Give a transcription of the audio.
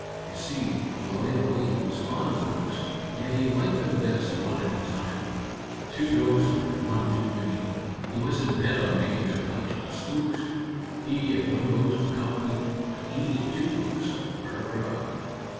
You see, while in a way he was fond of ghosts, yet he liked them best one at a time. Two ghosts were one too many. He wasn't bent on making a collection of spooks. He and one ghost were company, but he and two ghosts were a crowd."